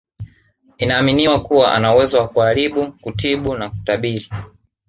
Inaaminiwa kuwa anauwezo wa kuharibu kutibu na kutabiri